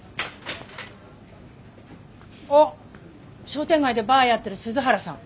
商店街でバーやってる鈴原さん。